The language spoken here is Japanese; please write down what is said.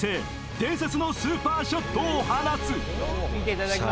伝説のスーパーショットを放つ。